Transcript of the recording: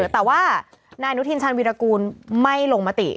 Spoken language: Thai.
แต่ว่านายอนุทินชาญวิรากูลไม่ลงมติ